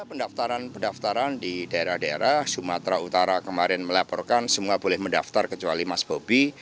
pendaftaran pendaftaran di daerah daerah sumatera utara kemarin melaporkan semua boleh mendaftar kecuali mas bobi